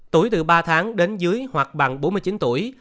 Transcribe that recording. tuổi từ ba tháng đến dưới hoặc bằng bốn mươi chín tuổi